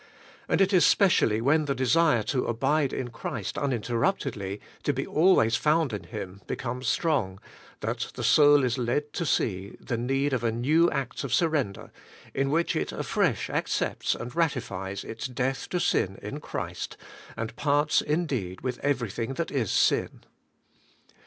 And it is specially when the desire to abide in Christ uninterrupedly, to be always found in Him, becomes strong, that the soul is led to see the need of a new act of surrender, in which it afresh accepts and ratifies its death to sin in Christ, and parts in deed with everything that is sin.